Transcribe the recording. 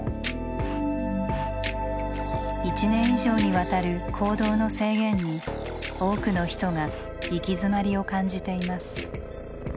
１年以上にわたる行動の制限に多くの人が行き詰まりを感じています。